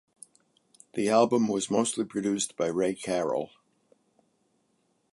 The album was mostly produced by Ray Carroll.